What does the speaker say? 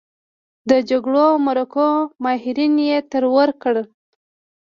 د جرګو او مرکو ماهرين يې ترور کړل.